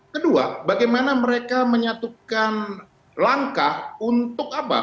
kedua bagaimana mereka menyatukan langkah untuk apa